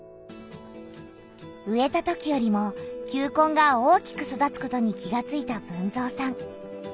植えたときよりも球根が大きく育つことに気がついた豊造さん。